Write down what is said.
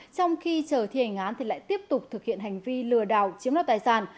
trong khi chờ thi hành án thì lại tiếp tục thực hiện hành vi lừa đảo chiếm đoạt tài sản